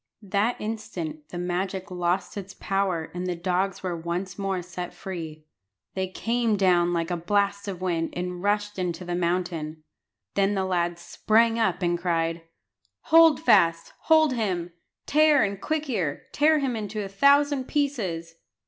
That instant the magic lost its power, and the dogs were once more set free. They came down like a blast of wind, and rushed into the mountain. Then the lad sprang up and cried "Hold fast, hold him; Tear and Quick ear, tear him into a thousand pieces."